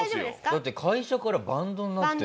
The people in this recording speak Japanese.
だって会社からバンドになって。